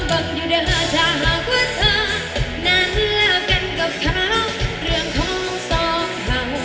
ก็เหมือนความชาวข้าจะต่อกันอยู่หน้า